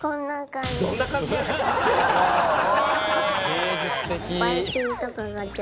「芸術的」